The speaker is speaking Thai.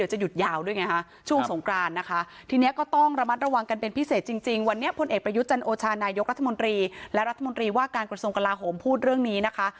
ยุติจันโอชานายกรรมนรีและรัฐมนตรีว่าการกระทรวงกลาหมพูดเรื่องนี้นะคะ